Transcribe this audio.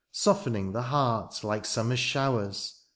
Softening the heart like summer's showers.